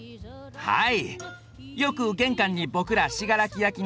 はい。